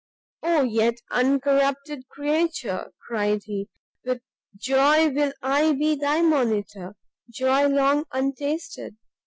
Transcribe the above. "Oh yet uncorrupted creature!" cried he, "with joy will I be thy monitor, joy long untasted!